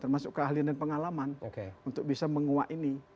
termasuk keahlian dan pengalaman untuk bisa menguak ini